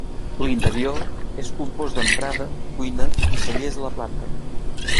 L'interior és compost d'entrada, cuina i cellers, a la planta.